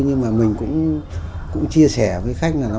nhưng mà mình cũng chia sẻ với khách